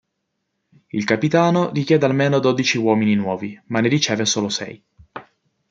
Il capitano richiede almeno dodici uomini nuovi, ma ne riceve solo sei.